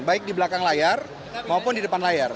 baik di belakang layar maupun di depan layar